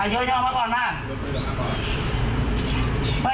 เอ๊ะยดสู่เรามาก่อนได้ไม๊